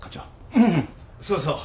ううんそうそう。